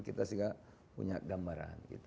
kita sudah punya gambaran